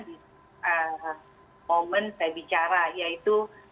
di momen saya bicara yaitu